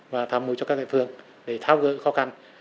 và tham môi cho các địa phương để thao gỡ những khó khăn